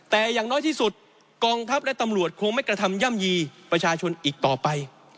แต่อย่างน้อยที่สุดกองทัพและตำรวจคงไม่กระทำย่ำยีประชาชนอีกต่อไป